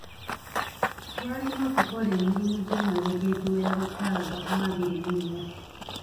Twalina okukola emirimu gy’emabega egiwera lukaaga mu abiri mu nnya.